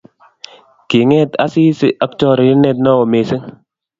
Kinget Asisi ak chorirenet neo missing